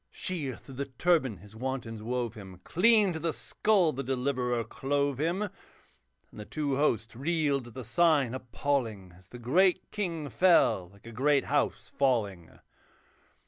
Sheer through the turban his wantons wove him, Clean to the skull the Deliverer clove him; And the two hosts reeled at the sign appalling, As the great king fell like a great house falling.